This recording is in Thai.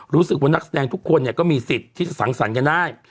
รู้สึกว่านักแสดงทุกคนเนี่ยก็มีสิทธิ์ที่จะสังสรรค์กันได้